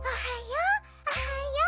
おはよう！